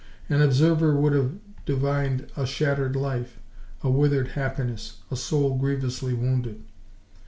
An observer would have divined a shattered life, a withered happiness, a soul grievously wounded.